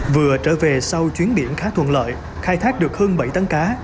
vừa trở về sau chuyến điểm khá thuận lợi khai thác được hơn bảy tăng cá